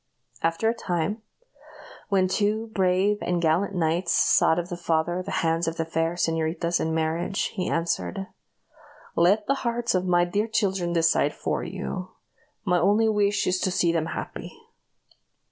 After a time, when two brave and gallant knights sought of the father the hands of the fair señoritas in marriage, he answered, "Let the hearts of my dear children decide for you. My only wish is to see them happy."